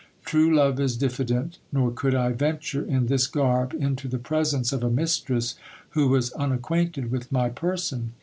True love is diffident ; nor could I venture in this garb into the presence of a mistress who was unacquainted with my person.